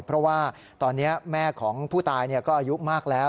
เพราะว่าตอนนี้แม่ของผู้ตายก็อายุมากแล้ว